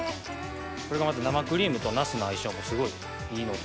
これがまた生クリームとナスの相性もすごいいいので。